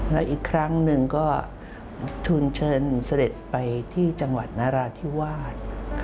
แล้วอีกครั้งหนึ่งก็ทุนเชิญเสด็จไปที่จังหวัดนราธิวาส